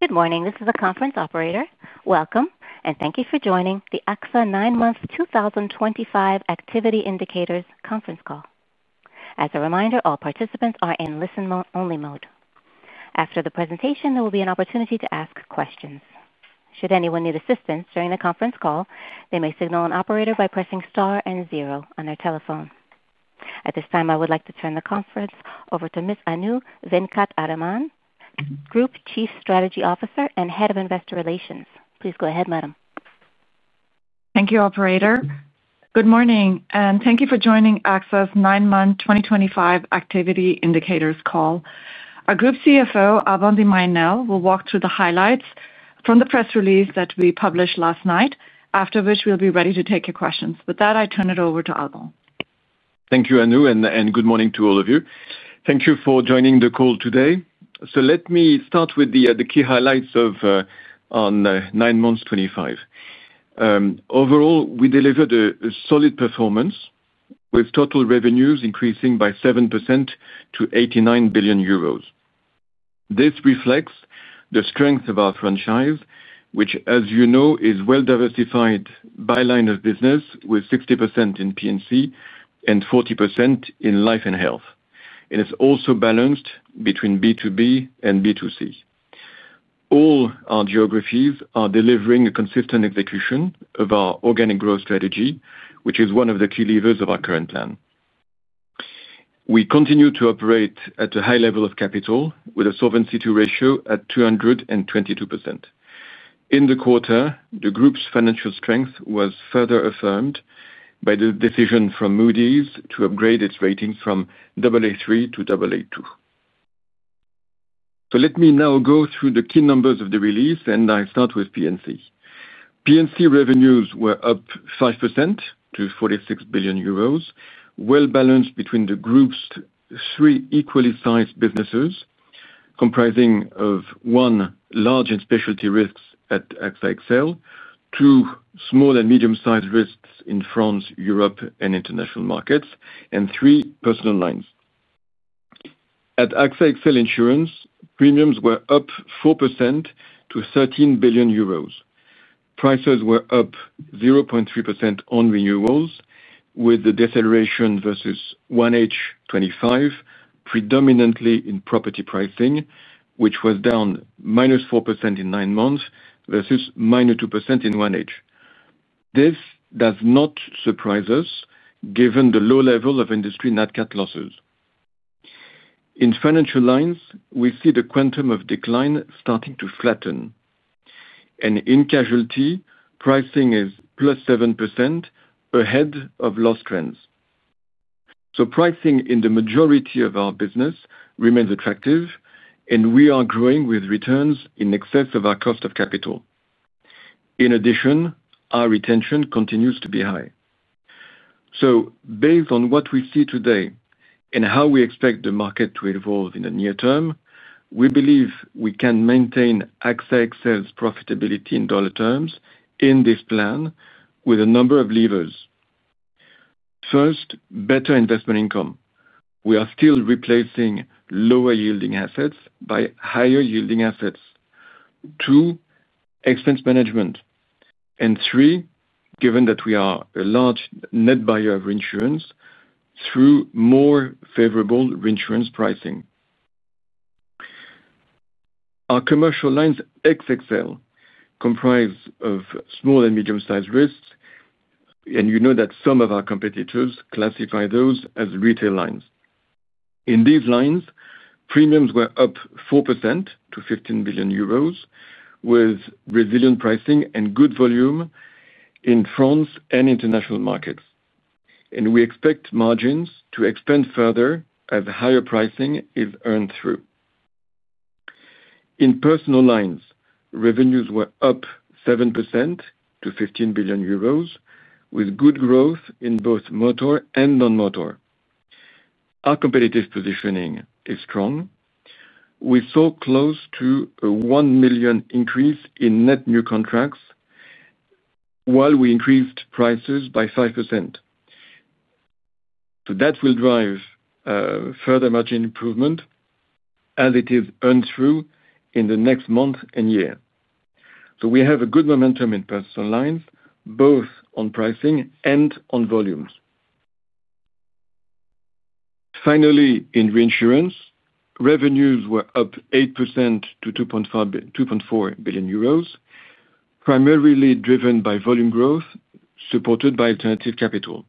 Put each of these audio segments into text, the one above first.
Good morning. This is a conference operator. Welcome, and thank you for joining the AXA nine months 2025 activity indicators conference call. As a reminder, all participants are in listen-only mode. After the presentation, there will be an opportunity to ask questions. Should anyone need assistance during the conference call, they may signal an operator by pressing star and zero on their telephone. At this time, I would like to turn the conference over to Ms. Anu Venkataraman, Group Chief Strategy Officer and Head of Investor Relations. Please go ahead, madam. Thank you, Operator. Good morning, and thank you for joining AXA's Nine Months 2025 Activity Indicators Call. Our Group CFO, Alban de Mailly Nesle, will walk through the highlights from the press release that we published last night, after which we'll be ready to take your questions. With that, I turn it over to Alban. Thank you, Anu, and good morning to all of you. Thank you for joining the call today. Let me start with the key highlights. On Nine Months 2025, overall, we delivered a solid performance, with total revenues increasing by 7% to 89 billion euros. This reflects the strength of our franchise, which, as you know, is well-diversified by line of business, with 60% in P&C and 40% in Life and Health. It is also balanced between B2B and B2C. All our geographies are delivering a consistent execution of our organic growth strategy, which is one of the key levers of our current plan. We continue to operate at a high level of capital, with a solvency ratio at 222%. In the quarter, the Group's financial strength was further affirmed by the decision from Moody’s to upgrade its rating from AA3 to Aa2. Let me now go through the key numbers of the release, and I start with P&C. P&C revenues were up 5% to 46 billion euros, well-balanced between the Group's three equally sized businesses, comprising one, large and specialty risks at AXA XL; two, small and medium sized risks in France, Europe, and international markets; and three, personal lines. At AXA XL Insurance, premiums were up 4% to 13 billion euros. Prices were up 0.3% on renewals, with the deceleration versus 1H25 predominantly in property pricing, which was down -4% in nine months versus -2% in 1H. This does not surprise us, given the low level of industry net cat losses. In financial lines, we see the quantum of decline starting to flatten. In casualty, pricing is +7% ahead of loss trends. Pricing in the majority of our business remains attractive, and we are growing with returns in excess of our cost of capital. In addition, our retention continues to be high. Based on what we see today and how we expect the market to evolve in the near term, we believe we can maintain AXA XL's profitability in dollar terms in this plan with a number of levers. First, better investment income. We are still replacing lower yielding assets by higher yielding assets. Two, expense management. Three, given that we are a large net buyer of reinsurance, through more favorable reinsurance pricing. Our commercial lines, XXL, comprise small and medium sized risks. You know that some of our competitors classify those as retail lines. In these lines, premiums were up 4% to 15 billion euros, with resilient pricing and good volume in France and international markets. We expect margins to expand further as higher pricing is earned through. In personal lines, revenues were up 7% to 15 billion euros, with good growth in both motor and non-motor. Our competitive positioning is strong. We saw close to a 1 million increase in net new contracts while we increased prices by 5%. That will drive further margin improvement as it is earned through in the next month and year. We have good momentum in personal lines, both on pricing and on volumes. Finally, in reinsurance, revenues were up 8% to 2.4 billion euros, primarily driven by volume growth supported by alternative capital.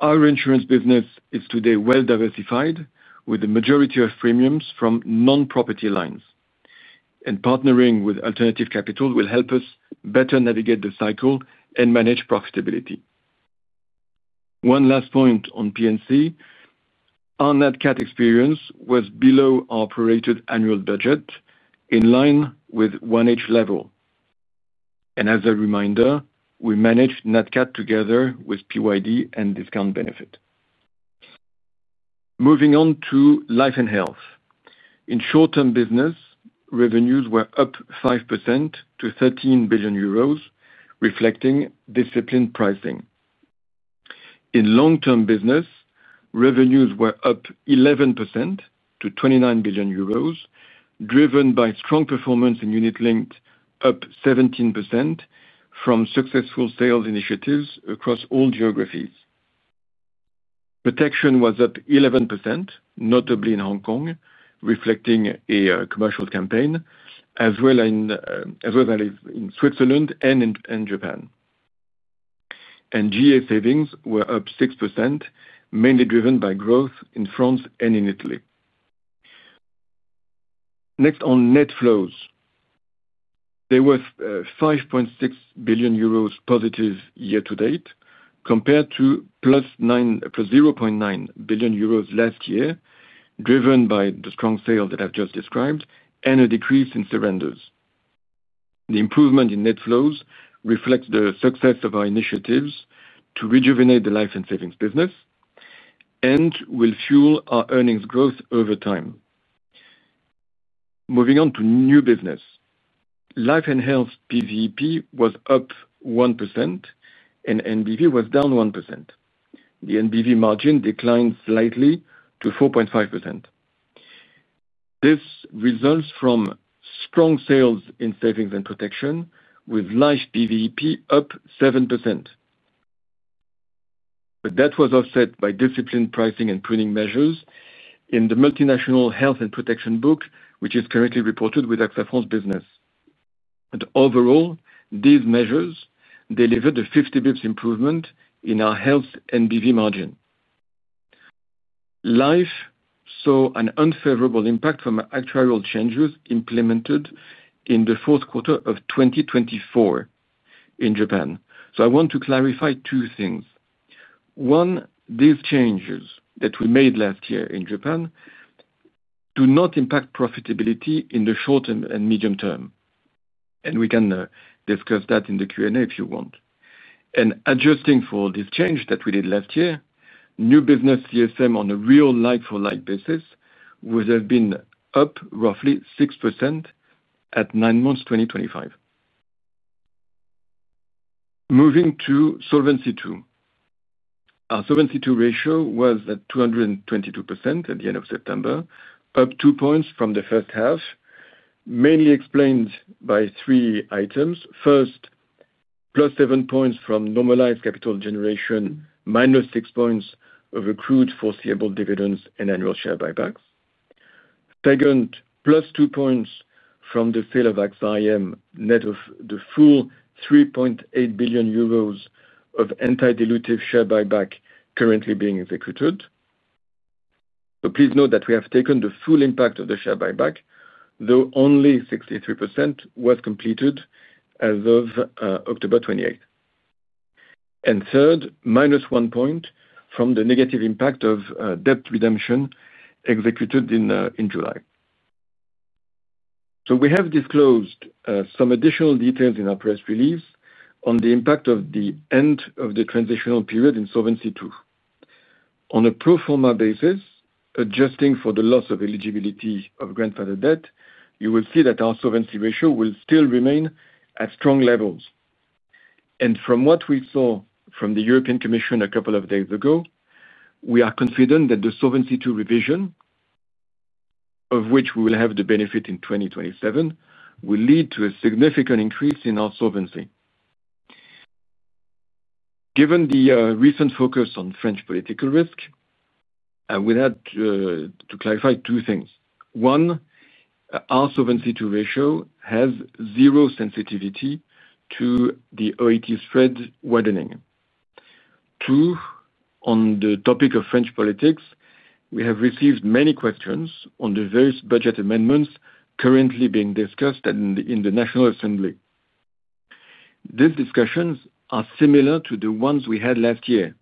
Our reinsurance business is today well-diversified, with the majority of premiums from non-property lines. Partnering with alternative capital will help us better navigate the cycle and manage profitability. One last point on P&C. Our net cap experience was below our operated annual budget, in line with 1H level. As a reminder, we managed net cap together with PYD and discount benefit. Moving on to life and health. In short-term business, revenues were up 5% to 13 billion euros, reflecting disciplined pricing. In long-term business, revenues were up 11% to 29 billion euros, driven by strong performance in unit-linked, up 17% from successful sales initiatives across all geographies. Protection was up 11%, notably in Hong Kong, reflecting a commercial campaign, as well as in Switzerland and in Japan. GA savings were up 6%, mainly driven by growth in France and in Italy. Next, on net flows. There were 5.6 billion euros positive year-to-date, compared to 0.9 billion euros last year, driven by the strong sales that I've just described and a decrease in surrenders. The improvement in net flows reflects the success of our initiatives to rejuvenate the life and savings business and will fuel our earnings growth over time. Moving on to new business. Life and Health PVP was up 1% and NBV was down 1%. The NBV margin declined slightly to 4.5%. This results from strong sales in savings and protection, with life PVP up 7%, but that was offset by disciplined pricing and pruning measures in the multinational health and protection book, which is currently reported with AXA France Business. Overall, these measures delivered a 50 bps improvement in our health NBV margin. Life saw an unfavorable impact from actuarial changes implemented in the fourth quarter of 2024 in Japan. I want to clarify two things. One, these changes that we made last year in Japan. Do not impact profitability in the short and medium term. We can discuss that in the Q&A if you want. Adjusting for this change that we did last year, new business CSM on a real like-for-like basis would have been up roughly 6% at nine months 2025. Moving to Solvency II. Our Solvency II ratio was at 222% at the end of September, up 2 points from the first half, mainly explained by three items. First, +7 points from normalized capital generation, -6 points of accrued foreseeable dividends and annual share buybacks. Second,+2 points from the sale of AXA IM net of the full 3.8 billion euros of antidilutive share buyback currently being executed. Please note that we have taken the full impact of the share buyback, though only 63% was completed as of October 28th. Third, -1 point from the negative impact of debt redemption executed in July. We have disclosed some additional details in our press release on the impact of the end of the transitional period in Solvency II. On a pro forma basis, adjusting for the loss of eligibility of grandfathered debt, you will see that our solvency ratio will still remain at strong levels. From what we saw from the European Commission a couple of days ago, we are confident that the Solvency II revision, of which we will have the benefit in 2027, will lead to a significant increase in our solvency. Given the recent focus on French political risk, I would like to clarify two things. One, our Solvency II ratio has zero sensitivity to the OAT spread widening. Two, on the topic of French politics, we have received many questions on the various budget amendments currently being discussed in the National Assembly. These discussions are similar to the ones we had last year.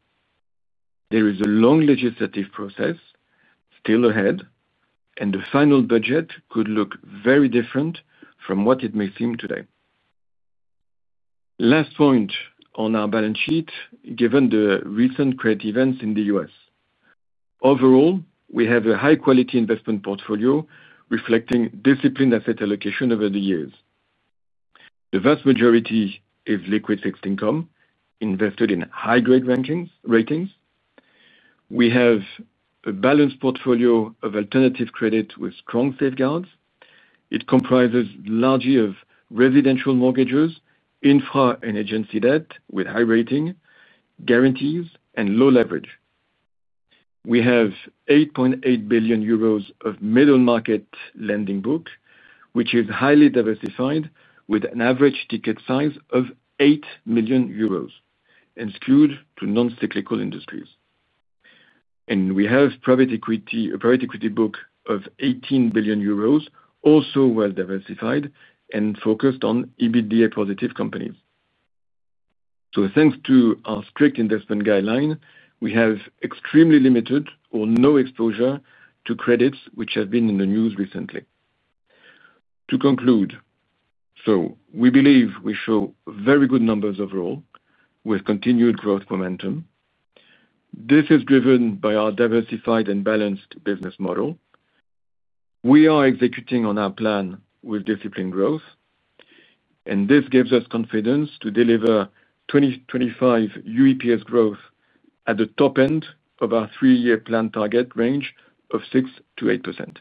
There is a long legislative process still ahead, and the final budget could look very different from what it may seem today. Last point on our balance sheet, given the recent rate events in the U.S. Overall, we have a high-quality investment portfolio reflecting disciplined asset allocation over the years. The vast majority is liquid fixed income invested in high-grade ratings. We have a balanced portfolio of alternative credit with strong safeguards. It comprises largely of residential mortgages, infra and agency debt with high rating, guarantees, and low leverage. We have 8.8 billion euros of middle-market lending book, which is highly diversified, with an average ticket size of 8 million euros. Skewed to non-cyclical industries. We have a private equity book of 18 billion euros, also well-diversified and focused on EBITDA-positive companies. Thanks to our strict investment guideline, we have extremely limited or no exposure to credits which have been in the news recently. To conclude, we believe we show very good numbers overall, with continued growth momentum. This is driven by our diversified and balanced business model. We are executing on our plan with disciplined growth. This gives us confidence to deliver 2025 UEPS growth at the top end of our three-year plan target range of 6%-8%.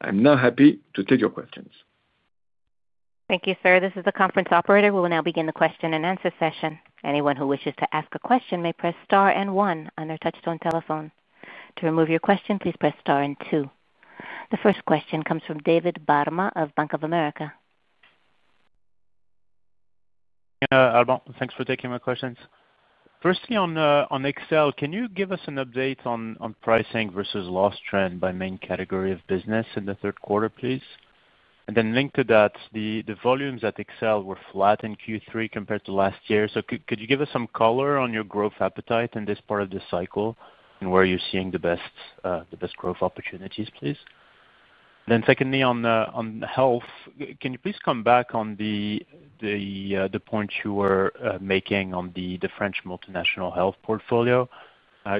I'm now happy to take your questions. Thank you, sir. This is the conference operator. We will now begin the question and answer session. Anyone who wishes to ask a question may press star and one on their touchstone telephone. To remove your question, please press star and two. The first question comes from David Barma of Bank of America. Yeah, Alban, thanks for taking my questions. Firstly, on AXA XL, can you give us an update on pricing versus loss trend by main category of business in the third quarter, please? Linked to that, the volumes at AXA XL were flat in Q3 compared to last year. Could you give us some color on your growth appetite in this part of the cycle and where you're seeing the best growth opportunities, please? Secondly, on health, can you please come back on the points you were making on the French multinational health portfolio?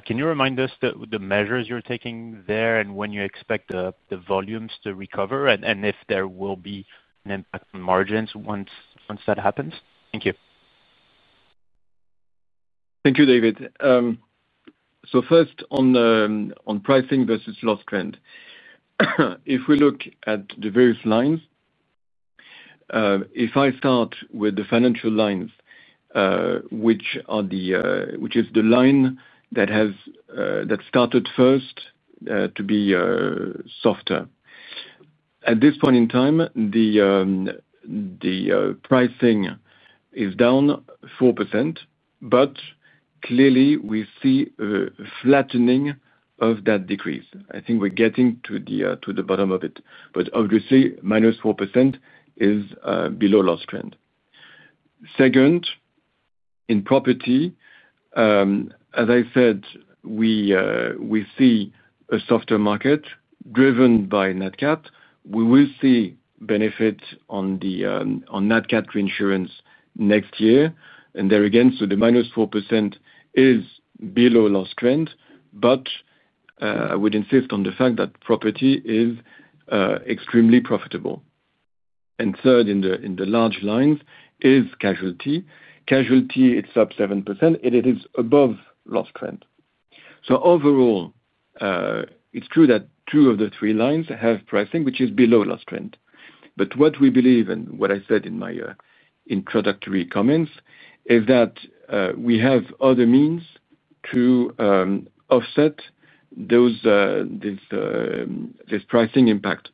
Can you remind us the measures you're taking there and when you expect the volumes to recover and if there will be an impact on margins once that happens? Thank you. Thank you, David. First, on pricing versus loss trend. If we look at the various lines, if I start with the financial lines, which is the line that started first to be softer, at this point in time, the pricing is down 4%, but clearly we see a flattening of that decrease. I think we're getting to the bottom of it. Obviously, -4% is below loss trend. Second, in property, as I said, we see a softer market driven by net cap. We will see benefit on net cap reinsurance next year. There again, the -4% is below loss trend, but I would insist on the fact that property is extremely profitable. Third, in the large lines, is casualty. Casualty is up 7%, and it is above loss trend. Overall, it's true that two of the three lines have pricing which is below loss trend. What we believe, and what I said in my introductory comments, is that we have other means to offset this pricing impact.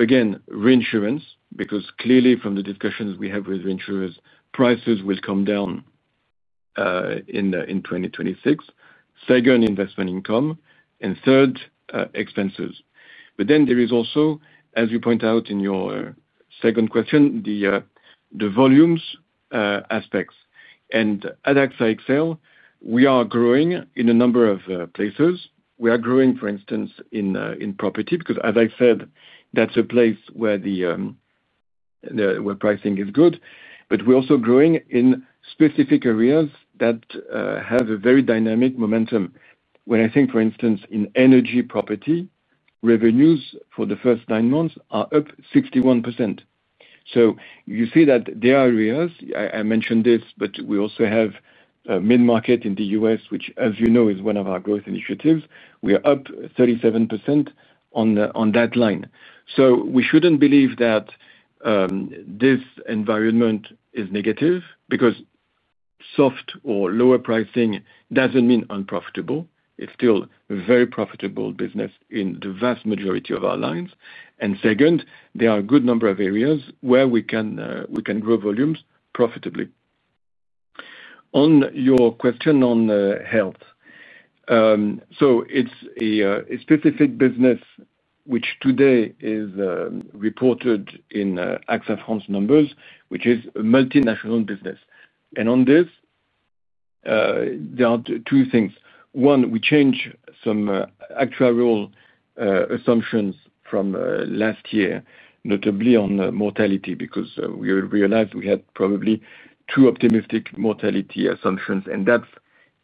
Again, reinsurance, because clearly from the discussions we have with reinsurers, prices will come down in 2026. Second, investment income. Third, expenses. There is also, as you point out in your second question, the volumes aspects. At AXA XL, we are growing in a number of places. We are growing, for instance, in property, because, as I said, that's a place where pricing is good. We are also growing in specific areas that have a very dynamic momentum. When I think, for instance, in energy property, revenues for the first nine months are up 61%. You see that there are areas I mentioned this, but we also have mid-market in the U.S., which, as you know, is one of our growth initiatives. We are up 37% on that line. We shouldn't believe that this environment is negative, because soft or lower pricing doesn't mean unprofitable. It's still very profitable business in the vast majority of our lines. There are a good number of areas where we can grow volumes profitably. On your question on health, it's a specific business which today is reported in AXA France numbers, which is a multinational business. On this, there are two things. One, we changed some actuarial assumptions from last year, notably on mortality, because we realized we had probably too optimistic mortality assumptions, and that's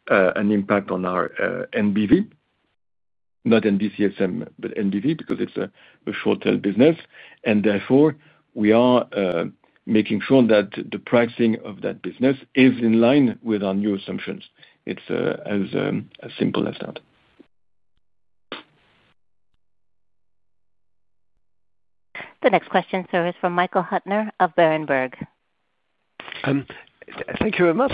an impact on our NBV, not NBCSM, but NBV, because it's a short-term business. Therefore, we are making sure that the pricing of that business is in line with our new assumptions. It's as simple as that. The next question, sir, is from Michael Huttner of Berenberg. Thank you very much.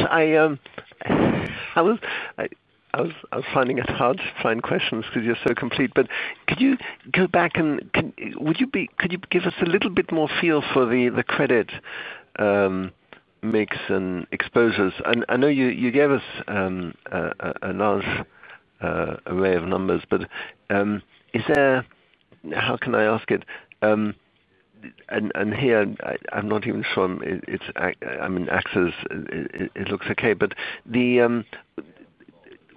I was finding it hard to find questions because you're so complete. Could you go back and could you give us a little bit more feel for the credit mix and exposures? I know you gave us a large array of numbers, but how can I ask it? Here, I'm not even sure. I mean, AXA's, it looks okay.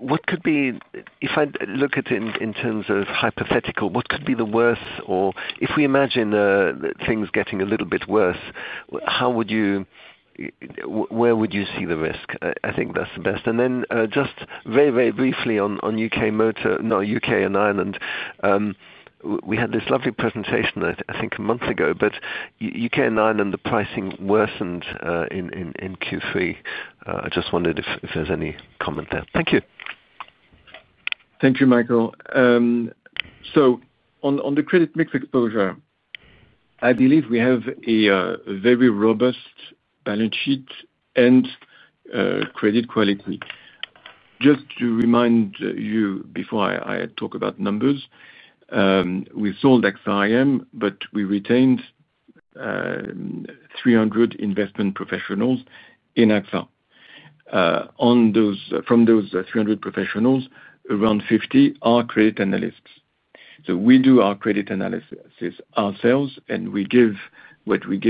What could be, if I look at it in terms of hypothetical, what could be the worst? Or if we imagine things getting a little bit worse, where would you see the risk? I think that's the best. Very, very briefly on U.K. Motor, no, U.K. and Ireland. We had this lovely presentation, I think, a month ago, but U.K. and Ireland, the pricing worsened in Q3. I just wondered if there's any comment there. Thank you. Thank you, Michael. On the credit mix exposure, I believe we have a very robust balance sheet and credit quality. Just to remind you before I talk about numbers, we sold AXA Investment Managers, but we retained 300 investment professionals in AXA. From those 300 professionals, around 50 are credit analysts. We do our credit analysis ourselves, and we give what we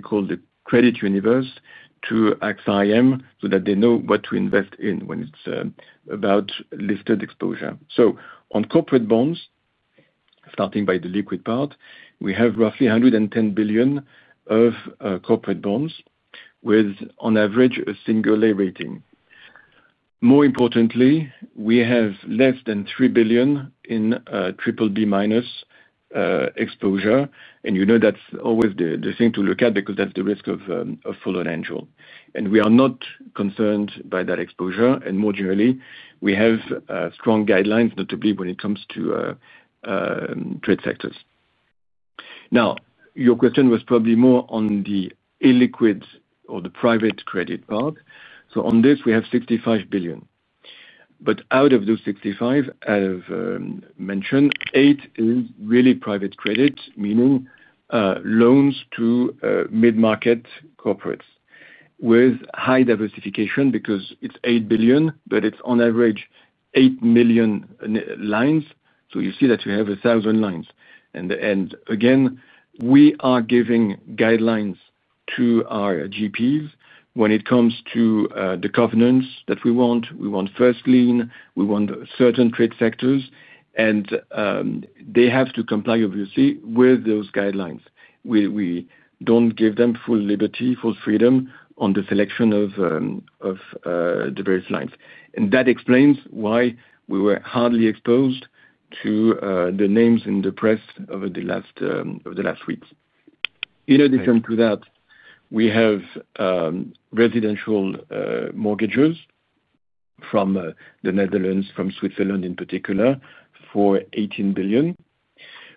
call the credit universe to AXA Investment Managers so that they know what to invest in when it's about listed exposure. On corporate bonds, starting with the liquid part, we have roughly 110 billion of corporate bonds with, on average, a single A rating. More importantly, we have less than 3 billion in triple B minus exposure. That's always the thing to look at because that's the risk of fall and angel. We are not concerned by that exposure. More generally, we have strong guidelines, notably when it comes to trade sectors. Your question was probably more on the illiquid or the private credit part. On this, we have 65 billion, but out of those 65 billion, as I've mentioned, 8 billion is really private credit, meaning loans to mid-market corporates with high diversification because it's 8 billion, but it's on average 8 million lines. You see that you have 1,000 lines. We are giving guidelines to our GPs when it comes to the covenants that we want. We want first lien, we want certain trade sectors, and they have to comply, obviously, with those guidelines. We don't give them full liberty, full freedom on the selection of the various lines. That explains why we were hardly exposed to the names in the press over the last weeks. In addition to that, we have residential mortgages from the Netherlands, from Switzerland in particular, for 18 billion.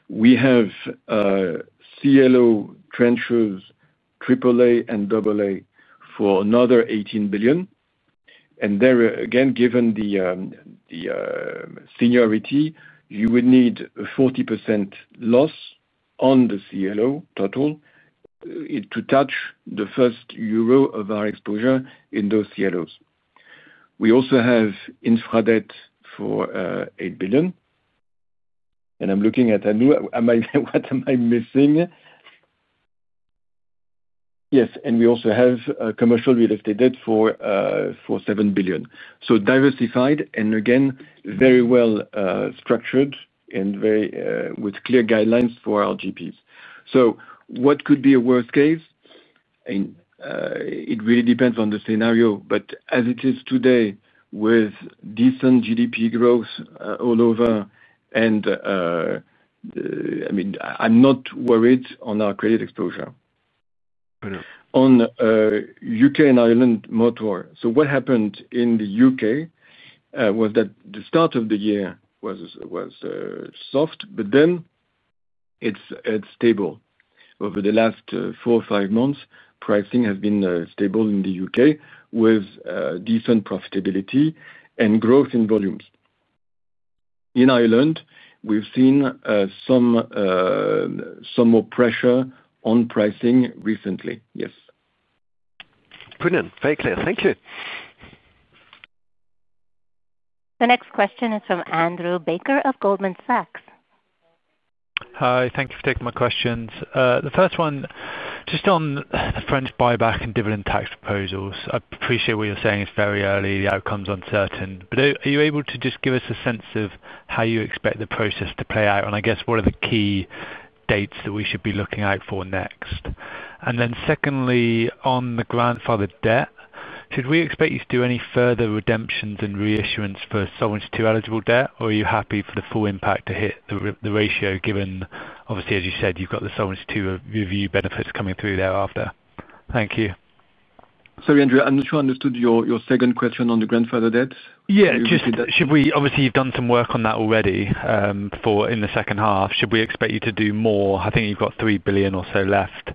We have CLO tranches, AAA and AA, for another 18 billion. There, again, given the seniority, you would need a 40% loss on the CLO total to touch the first euro of our exposure in those CLOs. We also have infra debt for 8 billion. I'm looking at what am I missing. Yes, we also have commercial real estate debt for 7 billion. Diversified and, again, very well structured and with clear guidelines for our GPs. What could be a worst case? It really depends on the scenario, but as it is today with decent GDP growth all over, I'm not worried on our credit exposure. On U.K. and Ireland motor, what happened in the U.K. was that the start of the year was. Soft, but then it's stable. Over the last four or five months, pricing has been stable in the U.K. with decent profitability and growth in volumes. In Ireland, we've seen some more pressure on pricing recently. Yes. Brilliant. Very clear. Thank you. The next question is from Andrew Baker of Goldman Sachs. Hi. Thank you for taking my questions. The first one, just on the French buyback and dividend tax proposals. I appreciate what you're saying. It's very early. The outcome's uncertain. Are you able to just give us a sense of how you expect the process to play out? I guess, what are the key dates that we should be looking out for next? Secondly, on the grandfathered debt, should we expect you to do any further redemptions and reissuance for Solvency II eligible debt? Are you happy for the full impact to hit the ratio given, obviously, as you said, you've got the Solvency II review benefits coming through thereafter? Thank you. Sorry, Andrew. I'm not sure I understood your second question on the grandfathered debt. Obviously, you've done some work on that already in the second half. Should we expect you to do more? I think you've got 3 billion or so left.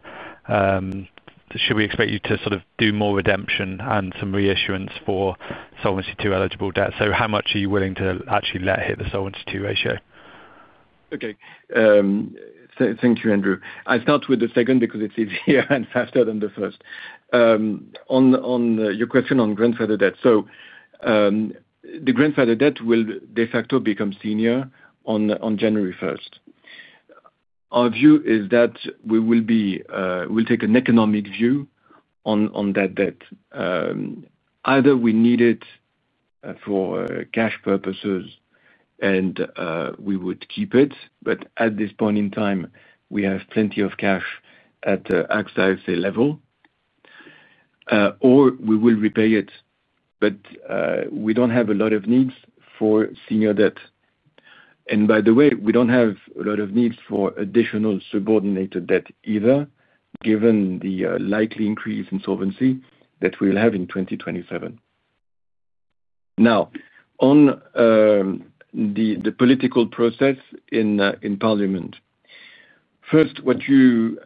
Should we expect you to sort of do more redemption and some reissuance for Solvency II eligible debt? How much are you willing to actually let hit the Solvency II ratio? Thank you, Andrew. I'll start with the second because it's easier and faster than the first. On your question on grandfathered debt, the grandfathered debt will de facto become senior on January 1st. Our view is that we will take an economic view on that debt. Either we need it for cash purposes and we would keep it, but at this point in time, we have plenty of cash at AXA IFA level, or we will repay it, but we don't have a lot of needs for senior debt. By the way, we don't have a lot of needs for additional subordinated debt either, given the likely increase in solvency that we will have in 2027. Now, on the political process in Parliament, first, what you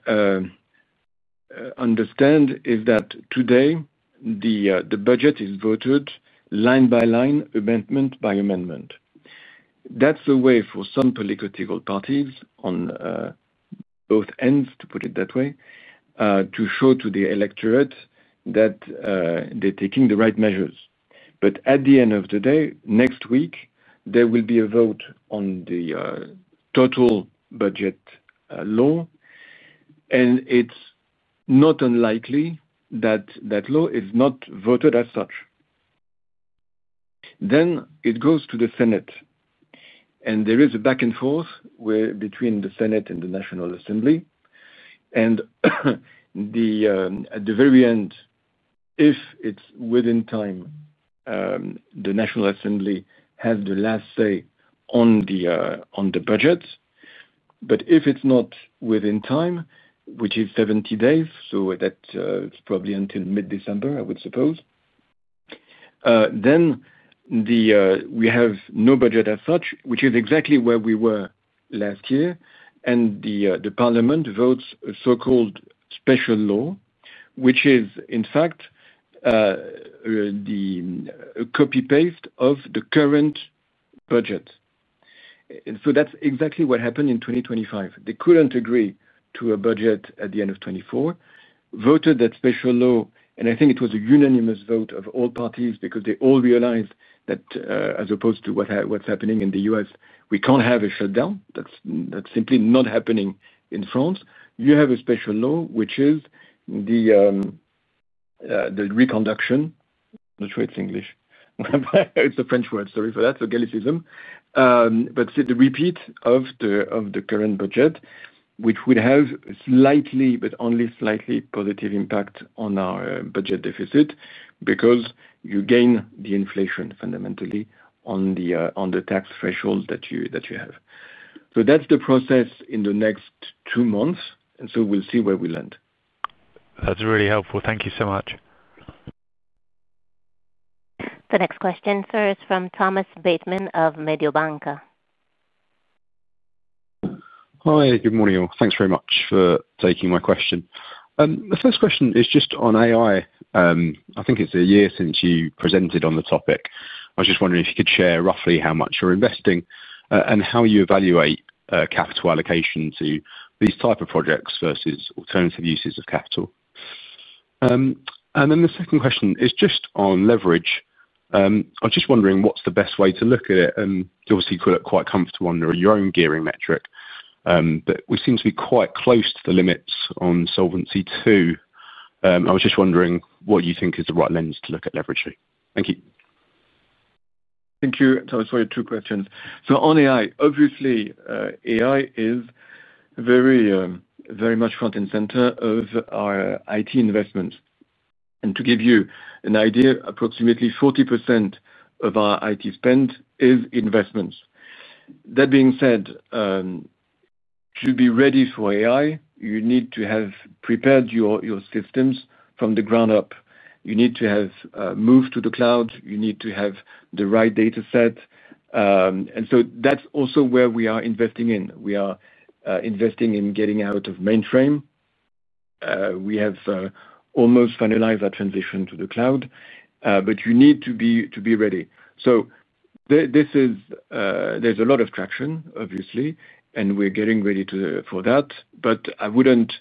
understand is that today, the budget is voted line by line, amendment by amendment. That's a way for some political parties on both ends, to put it that way, to show to the electorate that they're taking the right measures. At the end of the day, next week, there will be a vote on the total budget law. It's not unlikely that that law is not voted as such. It then goes to the Senate. There is a back and forth between the Senate and the National Assembly. At the very end, if it's within time, the National Assembly has the last say on the budget. If it's not within time, which is 70 days, so that's probably until mid-December, I would suppose, we have no budget as such, which is exactly where we were last year. The Parliament votes a so-called special law, which is, in fact, a copy-paste of the current budget. That's exactly what happened in 2025. They couldn't agree to a budget at the end of 2024, voted that special law, and I think it was a unanimous vote of all parties because they all realized that, as opposed to what's happening in the U.S., we can't have a shutdown. That's simply not happening in France. You have a special law, which is the reconduction. I'm not sure it's English. It's a French word. Sorry for that. So Gallicism. The repeat of the current budget would have a slightly, but only slightly, positive impact on our budget deficit because you gain the inflation, fundamentally, on the tax threshold that you have. That's the process in the next two months. We'll see where we land. That's really helpful. Thank you so much. The next question is from Thomas Bateman of Mediobanca. Hi. Good morning, all. Thanks very much for taking my question. The first question is just on AI. I think it's a year since you presented on the topic. I was just wondering if you could share roughly how much you're investing and how you evaluate capital allocation to these types of projects versus alternative uses of capital. The second question is just on leverage. I was just wondering what's the best way to look at it. Obviously, you feel quite comfortable under your own gearing metric, but we seem to be quite close to the limits on Solvency II. I was just wondering what you think is the right lens to look at leveraging. Thank you. Thank you for your two questions. On AI, obviously, AI is very much front and center of our IT investments. To give you an idea, approximately 40% of our IT spend is investments. That being said, to be ready for AI, you need to have prepared your systems from the ground up. You need to have moved to the cloud. You need to have the right data set, and that's also where we are investing in. We are investing in getting out of mainframe. We have almost finalized our transition to the cloud, but you need to be ready. There's a lot of traction, obviously, and we're getting ready for that. I wouldn't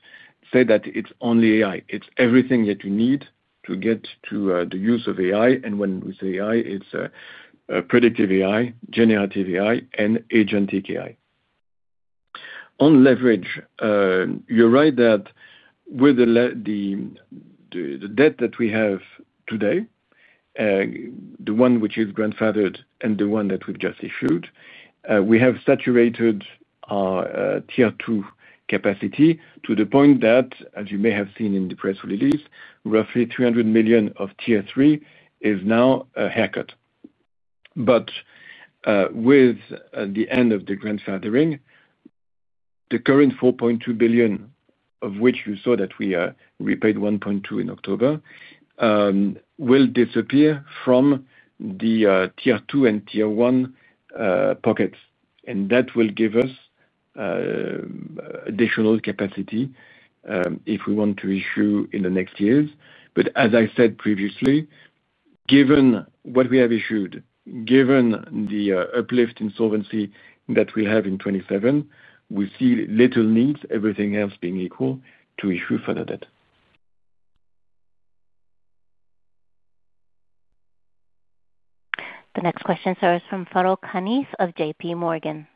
say that it's only AI. It's everything that you need to get to the use of AI. When we say AI, it's predictive AI, generative AI, and agentic AI. On leverage, you're right that with the debt that we have today, the one which is grandfathered and the one that we've just issued, we have saturated our tier two capacity to the point that, as you may have seen in the press release, roughly 300 million of tier three is now a haircut. With the end of the grandfathering, the current 4.2 billion, of which you saw that we repaid 1.2 billion in October, will disappear from the tier two and tier one pockets. That will give us additional capacity if we want to issue in the next years. As I said previously, given what we have issued, given the uplift in solvency that we'll have in 2027, we see little needs, everything else being equal, to issue further debt. The next question, sir, is from Farooq Hanif of JPMorgan.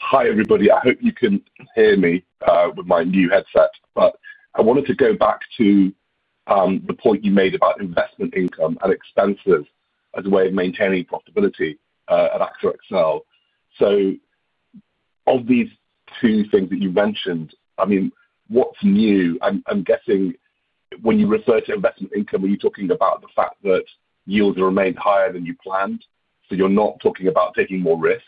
Hi, everybody. I hope you can hear me with my new headset. I wanted to go back to the point you made about investment income and expenses as a way of maintaining profitability at AXA XL. Of these two things that you mentioned, I mean, what's new? I'm guessing when you refer to investment income, are you talking about the fact that yields have remained higher than you planned? You're not talking about taking more risk.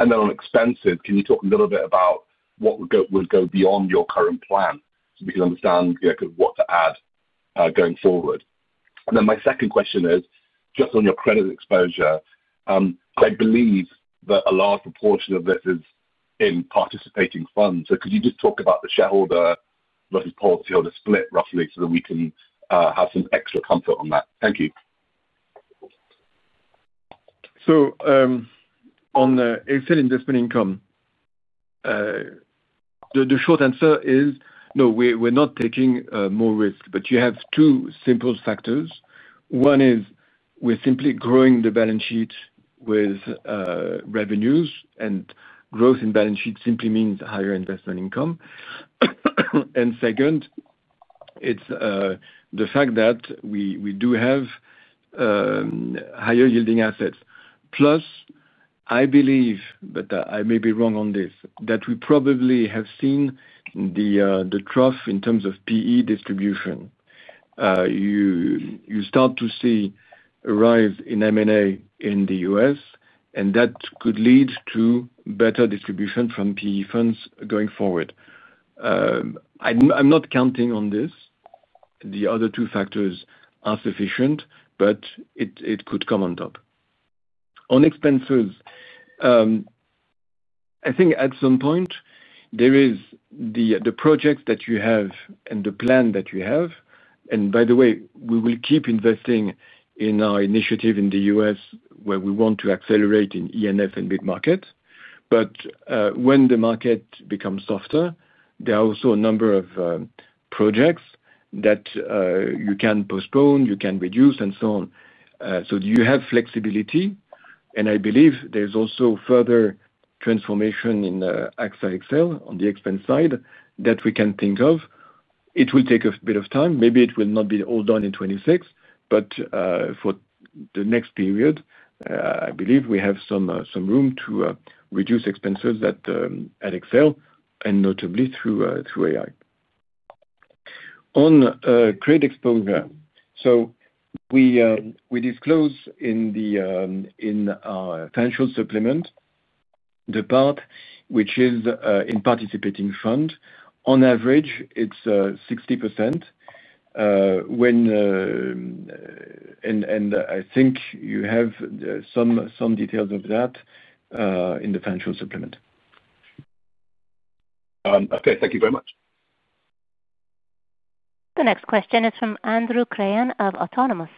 On expenses, can you talk a little bit about what would go beyond your current plan so we can understand what to add going forward? My second question is just on your credit exposure. I believe that a large proportion of this is in participating funds. Could you just talk about the shareholer versus policyholder split, roughly, so that we can have some extra comfort on that? Thank you. On the exit investment income, the short answer is, no, we're not taking more risk. You have two simple factors. One is we're simply growing the balance sheet with revenues, and growth in balance sheet simply means higher investment income. Second, it's the fact that we do have higher-yielding assets. Plus, I believe, but I may be wrong on this, that we probably have seen the trough in terms of PE distribution. You start to see a rise in M&A in the U.S., and that could lead to better distribution from PE funds going forward. I'm not counting on this. The other two factors are sufficient, but it could come on top. On expenses, I think at some point there is the project that you have and the plan that you have. By the way, we will keep investing in our initiative in the U.S. where we want to accelerate in ENF and mid-market. When the market becomes softer, there are also a number of projects that you can postpone, you can reduce, and so on. You have flexibility. I believe there's also further transformation in AXA XL on the expense side that we can think of. It will take a bit of time. Maybe it will not be all done in 2026, but for the next period, I believe we have some room to reduce expenses at XL and notably through AI. On credit exposure, we disclose in our financial supplement the part which is in participating fund. On average, it's 60%. I think you have some details of that in the financial supplement. Thank you very much. The next question is from Andrew Creanof Autonomous.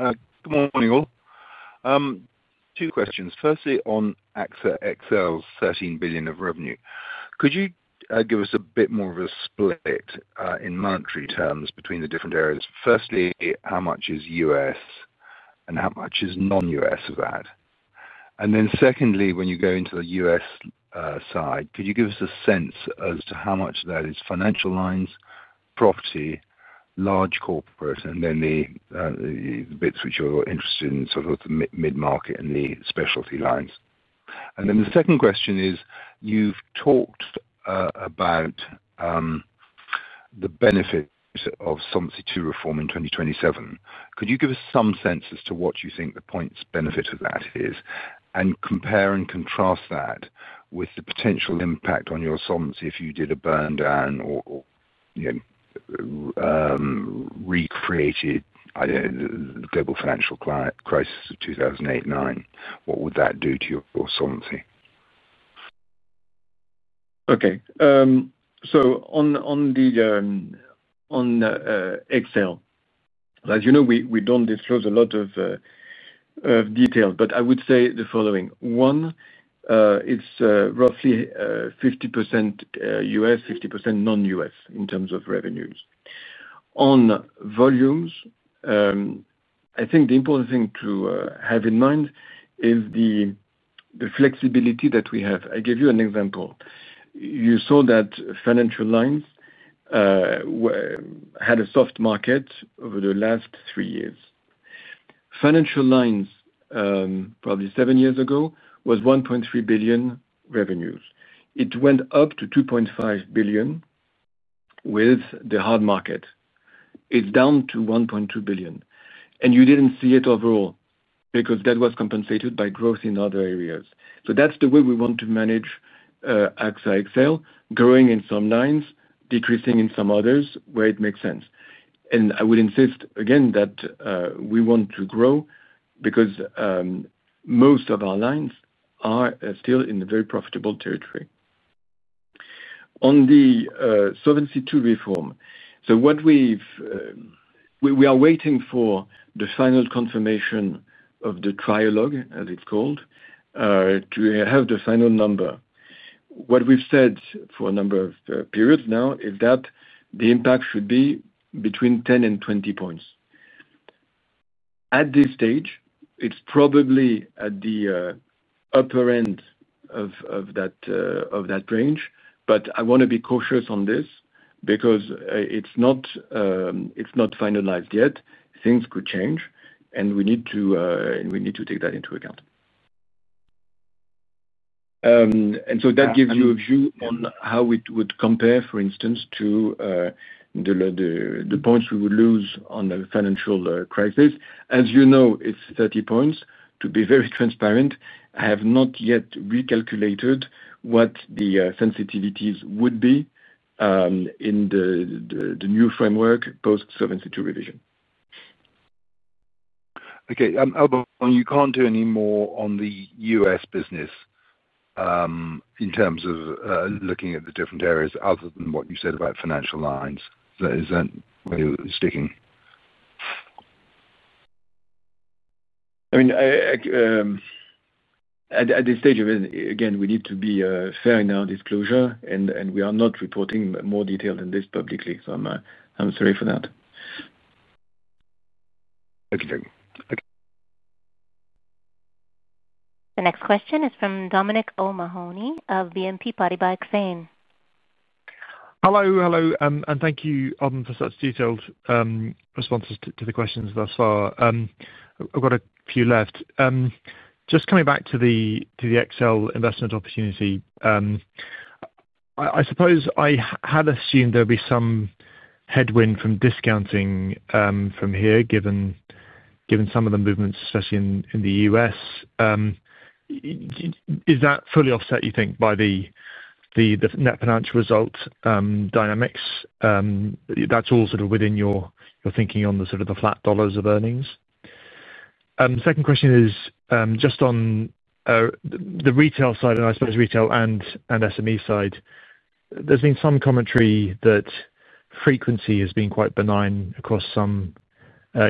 Good morning, all. Two questions. Firstly, on AXA XL'sEUR 13 billion of revenue, could you give us a bit more of a split in monetary terms between the different areas? Firstly, how much is U.S. and how much is non-U.S. of that? Secondly, when you go into the U.S. side, could you give us a sense as to how much that is financial lines, property, large corporate, and then the bits which you're interested in, sort of the mid-market and the specialty lines? The second question is you've talked about the benefit of Solvency II reform in 2027. Could you give us some sense as to what you think the points benefit of that is and compare and contrast that with the potential impact on your solvency if you did a burn down or recreated the global financial crisis of 2008, 2009? What would that do to your solvency? On XL, as you know, we don't disclose a lot of details, but I would say the following. One, it's roughly 50% U.S., 50% non-U.S. in terms of revenues. On volumes, I think the important thing to have in mind is the flexibility that we have. I gave you an example. You saw that financial lines had a soft market over the last three years. Financial lines, probably seven years ago, was 1.3 billion revenues. It went up to 2.5 billion with the hard market. It's down to 1.2 billion. You didn't see it overall because that was compensated by growth in other areas. That's the way we want to manage AXA XL, growing in some lines, decreasing in some others where it makes sense. I would insist again that we want to grow because most of our lines are still in very profitable territory. On the Solvency II reform, we are waiting for the final confirmation of the trilogue, as it's called, to have the final number. What we've said for a number of periods now is that the impact should be between 10% and 20%. At this stage, it's probably at the upper end of that range. I want to be cautious on this because it's not finalized yet. Things could change, and we need to take that into account. That gives you a view on how it would compare, for instance, to the points we would lose on the financial crisis. As you know, it's 30%. To be very transparent, I have not yet recalculated what the sensitivities would be in the new framework post-Solvency II revision. Okay. Alban, you can't do any more on the U.S. business. In terms of looking at the different areas other than what you said about financial lines, is that where you're sticking? I mean, at this stage, again, we need to be fair in our disclosure, and we are not reporting more detail than this publicly. I'm sorry for that. Okay. Thank you. Okay. The next question is from Dominic O'Mahoney of BNP Paribas. Hello. Hello, and thank you, Adam, for such detailed responses to the questions thus far. I've got a few left. Just coming back to the AXA XL investment opportunity, I suppose I had assumed there would be some headwind from discounting from here given some of the movements, especially in the U.S. Is that fully offset, you think, by the net financial result dynamics? That's all sort of within your thinking on the sort of flat dollars of earnings. Second question is just on the retail side, and I suppose retail and SME side, there's been some commentary that frequency has been quite benign across some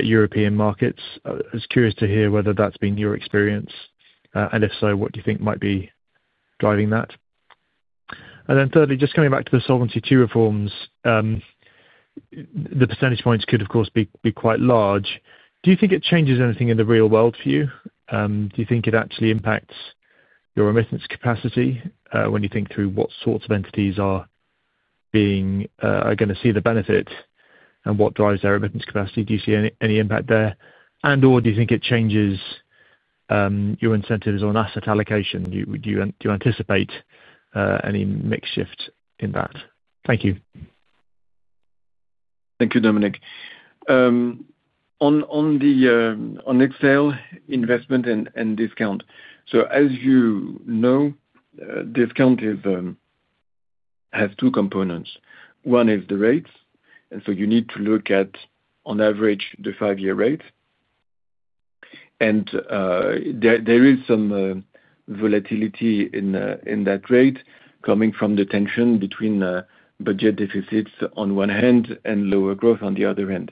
European markets. I was curious to hear whether that's been your experience, and if so, what you think might be driving that. Then thirdly, just coming back to the Solvency II reforms, the percentage points could, of course, be quite large. Do you think it changes anything in the real world for you? Do you think it actually impacts your remittance capacity when you think through what sorts of entities are going to see the benefit and what drives their remittance capacity? Do you see any impact there, and/or do you think it changes your incentives on asset allocation? Do you anticipate any mix shift in that? Thank you. Thank you, Dominic. On AXA XL investment and discount. As you know, discount has two components. One is the rates, and you need to look at, on average, the five-year rate. There is some volatility in that rate coming from the tension between budget deficits on one hand and lower growth on the other hand.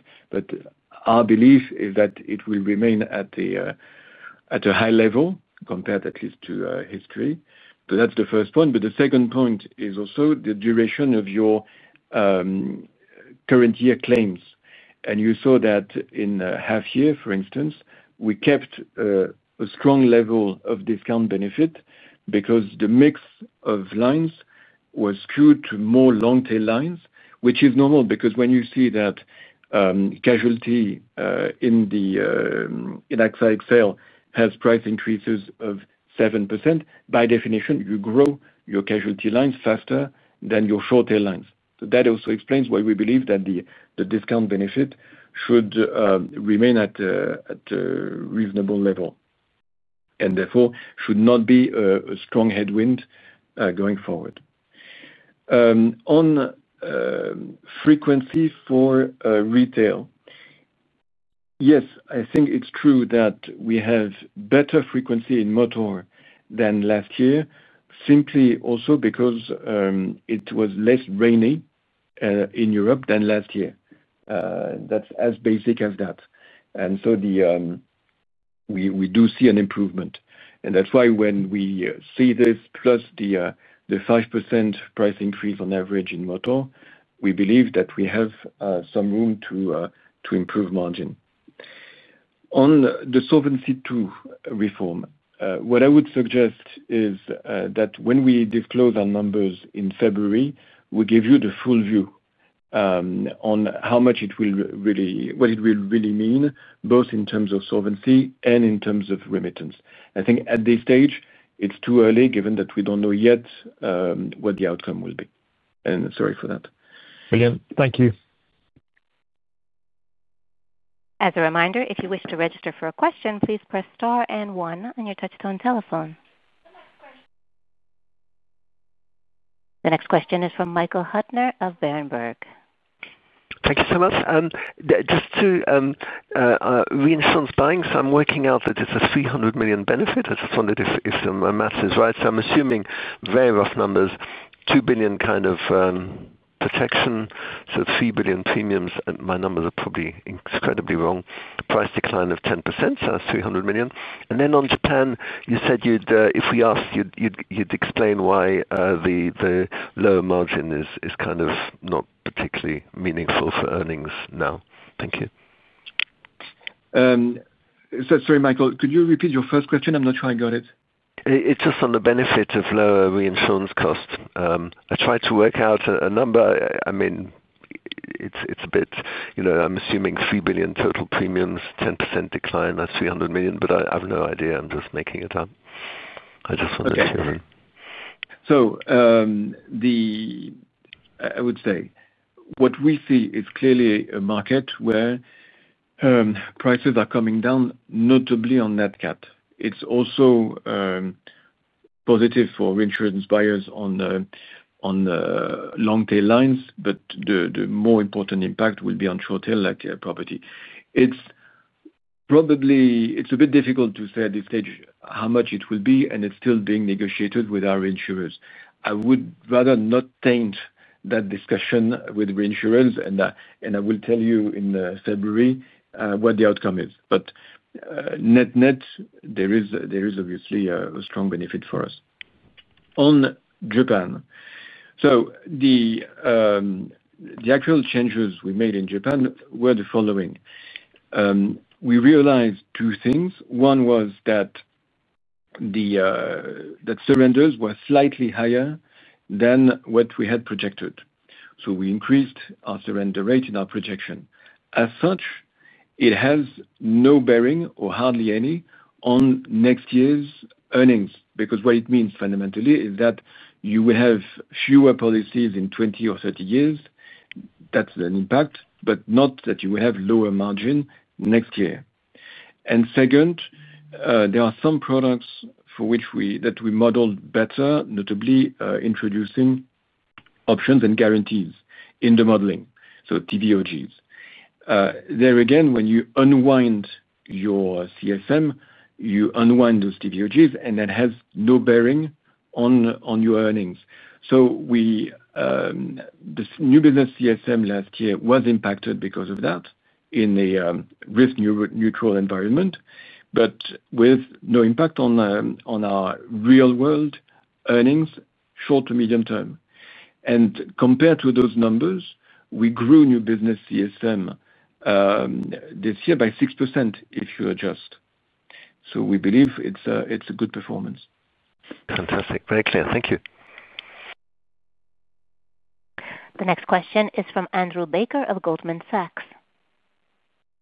Our belief is that it will remain at a high level compared at least to history. That's the first point. The second point is also the duration of your current year claims. You saw that in half-year, for instance, we kept a strong level of discount benefit because the mix of lines was skewed to more long-tail lines, which is normal because when you see that casualty in AXA XL has price increases of 7%, by definition, you grow your casualty lines faster than your short-tail lines. That also explains why we believe that the discount benefit should remain at a reasonable level and therefore should not be a strong headwind going forward. On frequency for retail, yes, I think it's true that we have better frequency in motor than last year, simply also because it was less rainy in Europe than last year. That's as basic as that. We do see an improvement, and that's why when we see this, plus the 5% price increase on average in motor, we believe that we have some room to improve margin. On the Solvency II reform, what I would suggest is that when we disclose our numbers in February, we give you the full view on how much it will really mean, both in terms of solvency and in terms of remittance. I think at this stage, it's too early given that we don't know yet what the outcome will be. Sorry for that. Brilliant, thank you. As a reminder, if you wish to register for a question, please press star and one on your touchstone telephone. The next question is from Michael Huttner of Berenberg. Thank you so much. Just to reinforce buying, so I'm working out that it's a 300 million benefit. I just wanted to see if my math is right. I'm assuming very rough numbers, 2 billion kind of protection, so 3 billion premiums. My numbers are probably incredibly wrong. Price decline of 10%, so that's 300 million. Then on Japan, you said if we asked, you'd explain why the low margin is kind of not particularly meaningful for earnings now. Thank you. Sorry, Michael, could you repeat your first question? I'm not sure I got it. It's just on the benefit of lower reinsurance cost. I tried to work out a number. I mean, it's a bit, I'm assuming 3 billion total premiums, 10% decline, that's 300 million, but I have no idea. I'm just making it up. I just wanted to know. Okay. I would say what we see is clearly a market where prices are coming down, notably on nat cat. It's also positive for reinsurance buyers on long-tail lines, but the more important impact will be on short-tail property. It's probably a bit difficult to say at this stage how much it will be, and it's still being negotiated with our insurers. I would rather not taint that discussion with reinsurance, and I will tell you in February what the outcome is. Net net, there is obviously a strong benefit for us. On Japan, the actual changes we made in Japan were the following. We realized two things. One was that surrenders were slightly higher than what we had projected, so we increased our surrender rate in our projection. As such, it has no bearing or hardly any on next year's earnings because what it means fundamentally is that you will have fewer policies in 20 years or 30 years. That's an impact, but not that you will have lower margin next year. Second, there are some products that we modeled better, notably introducing options and guarantees in the modeling, so TVOGs. There again, when you unwind your CSM, you unwind those TVOGs, and that has no bearing on your earnings. This new business CSM last year was impacted because of that in a risk-neutral environment, but with no impact on our real-world earnings short to medium term. Compared to those numbers, we grew new business CSM this year by 6% if you adjust. We believe it's a good performance. Fantastic. Very clear. Thank you. The next question is from Andrew Baker of Goldman Sachs.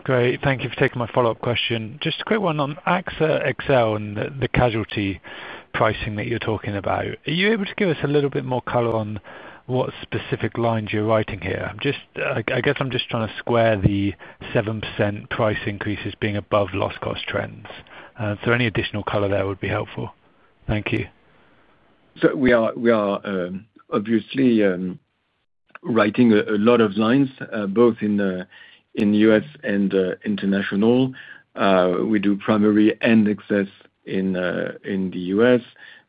Great. Thank you for taking my follow-up question. Just a quick one on AXA XL and the casualty pricing that you're talking about. Are you able to give us a little bit more color on what specific lines you're writing here? I guess I'm just trying to square the 7% price increases being above loss cost trends. Any additional color there would be helpful. Thank you. We are obviously writing a lot of lines, both in the U.S. and international. We do primary and excess in the U.S.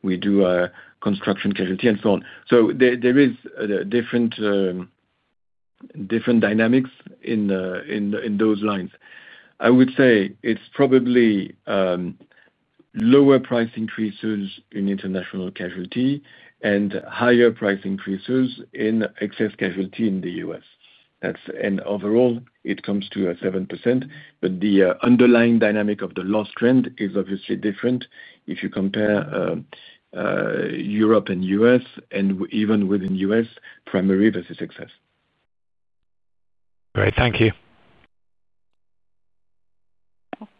We do construction casualty and so on. There are different dynamics in those lines. I would say it's probably lower price increases in international casualty and higher price increases in excess casualty in the U.S. Overall, it comes to 7%, but the underlying dynamic of the loss trend is obviously different if you compare Europe and U.S., and even within U.S., primary versus excess. Great. Thank you.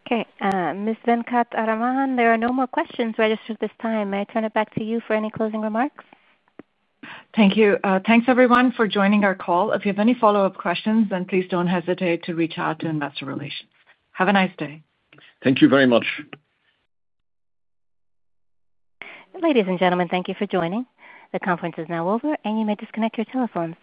Okay. Ms. Anu Venkataraman, there are no more questions registered at this time. May I turn it back to you for any closing remarks? Thank you. Thanks, everyone, for joining our call. If you have any follow-up questions, then please don't hesitate to reach out to Investor Relations. Have a nice day. Thank you very much. Ladies and gentlemen, thank you for joining. The conference is now over, and you may disconnect your telephones.